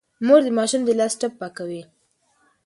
مور د ماشوم د لاس ټپ پاکوي.